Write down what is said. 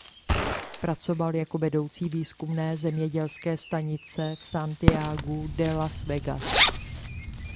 Pracoval jako vedoucí výzkumné zemědělské stanice v Santiagu de Las Vegas.